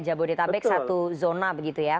jabodetabek satu zona begitu ya